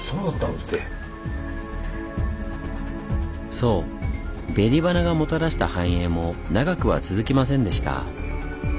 そう紅花がもたらした繁栄も長くは続きませんでした。